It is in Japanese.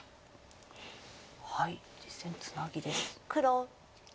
実戦ツナギです。